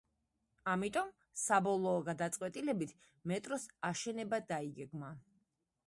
ამიტომ, საბოლოო გადაწყვეტილებით, მეტროს აშენება დაიგეგმა.